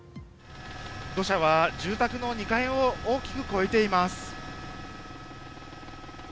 土砂は住宅の２階を大きく超えています。